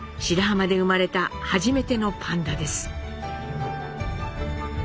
白浜で生まれた初めてのパンダです。